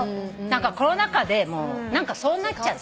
コロナ禍でそうなっちゃった。